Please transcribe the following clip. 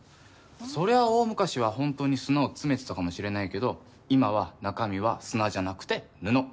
そりゃ大昔は本当に砂を詰めてたかもしれないけど今は中身は砂じゃなくて布。